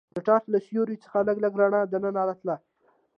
د ټاټ له سوریو څخه لږ لږ رڼا دننه راتله.